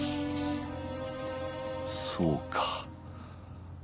そうか。